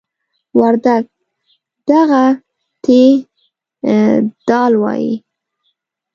وردگ "دغه" ته "دَ" وايي.